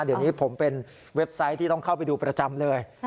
เดี๋ยวนี้ผมเป็นเว็บไซต์ที่ต้องเข้าไปดูประจำเลย